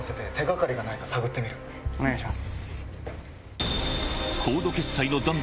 お願いします。